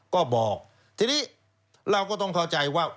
ก็บอกทีนี้เราก็ต้องเข้าใจว่า